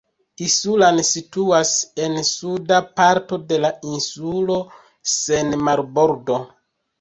Isulan situas en suda parto de la insulo sen marbordo.